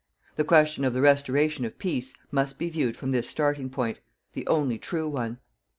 The question of the restoration of "PEACE" must be viewed from this starting point the only true one.